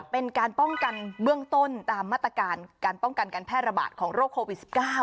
เป็นการป้องกันเบื้องต้นตามมาตรการการป้องกันการแพร่ระบาดของโรคโควิด๑๙